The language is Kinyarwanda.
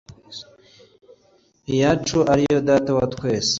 iyacu ari yo data wa twese